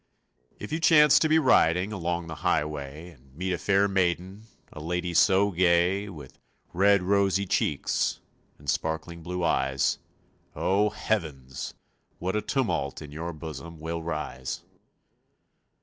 If you chance to be riding Along the highway And meet a fair maiden, A lady so gay, With red, rosy cheeks And sparkling blue eyes, Oh, heavens! what a tumult In your bosom will rise!